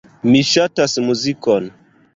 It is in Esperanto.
Mi ŝatas muzikon.